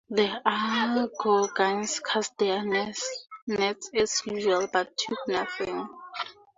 The Algonquins cast their nets as usual, but took nothing.